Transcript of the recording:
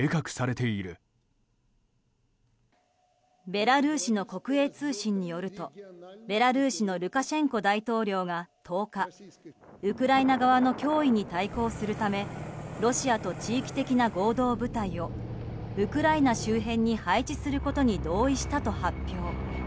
ベラルーシの国営通信によるとベラルーシのルカシェンコ大統領が１０日ウクライナ側の脅威に対抗するためロシアと地域的な合同部隊をウクライナ周辺に配置することに同意したと発表。